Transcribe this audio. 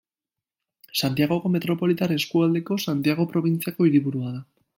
Santiagoko metropolitar eskualdeko Santiago probintziako hiriburua da.